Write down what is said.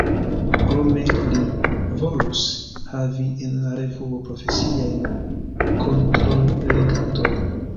Krome li volus havi en la revuo profesiajn kontrollegantojn.